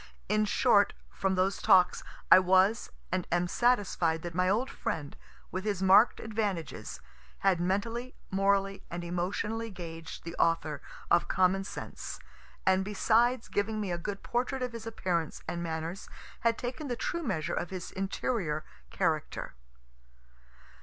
In short, from those talks, I was and am satisfied that my old friend, with his mark'd advantages, had mentally, morally and emotionally gauged the author of "Common Sense," and besides giving me a good portrait of his appearance and manners, had taken the true measure of his interior character.